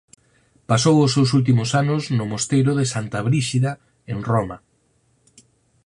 Pasou os seus últimos anos no mosteiro de Santa Bríxida en Roma.